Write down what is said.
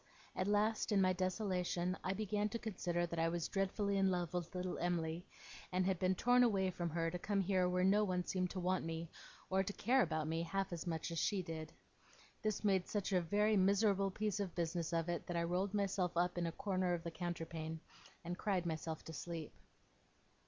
At last in my desolation I began to consider that I was dreadfully in love with little Em'ly, and had been torn away from her to come here where no one seemed to want me, or to care about me, half as much as she did. This made such a very miserable piece of business of it, that I rolled myself up in a corner of the counterpane, and cried myself to sleep.